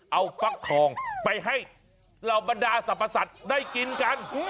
เอาฟักทองไปให้เหล่าบรรดาสรรพสัตว์ได้กินกัน